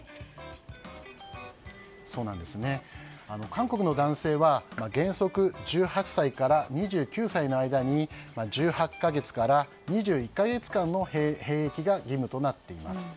韓国の男性は原則、１８歳から２９歳の間に１８か月から２１か月の兵役が義務となっています。